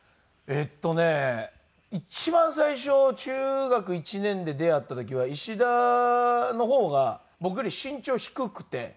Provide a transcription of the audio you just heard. えっとね一番最初中学１年で出会った時は石田の方が僕より身長低くて。